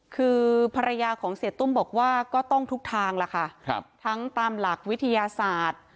คือภรรยาของเสียตุ้มบอกว่าก็ต้องทุกทางล่ะค่ะทั้งตามหลักวิทยาศาสตร์